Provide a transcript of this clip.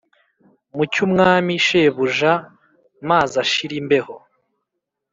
mu cy'umwami, shebuja, maz' ashir' imbeho.